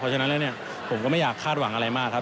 ฉะนั้นแล้วเนี่ยผมก็ไม่อยากคาดหวังอะไรมากครับ